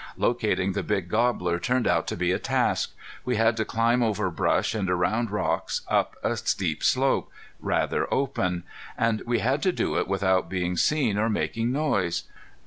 Locating the big gobbler turned out to be a task. We had to climb over brush and around rocks, up a steep slope, rather open; and we had to do it without being seen or making noise.